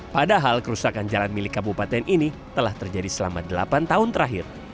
padahal kerusakan jalan milik kabupaten ini telah terjadi selama delapan tahun terakhir